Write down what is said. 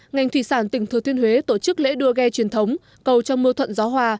ngành thủy sản tỉnh thừa thiên huế tổ chức lễ đua ghe truyền thống cầu trong mưa thuận gió hòa